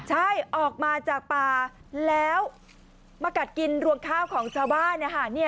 ใช่ออกมาจากป่าแล้วมากัดกินรวงข้าวของชาวบ้าน